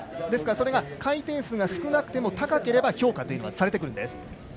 ですから、回転数が少なくても高ければ評価はされてくるんです。